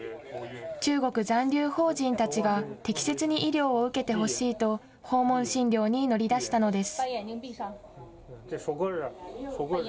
中国残留邦人たちが適切に医療を受けてほしいと訪問診療に乗り出したのです。